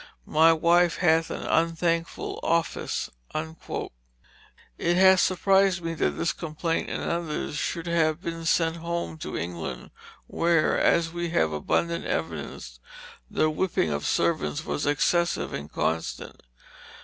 My Wyfe hath an vnthankful office." [Illustration: Illustration from "Young Wilfrid"] It has surprised me that this complaint and others should have been sent home to England, where (as we have abundant evidence) the whipping of servants was excessive and constant.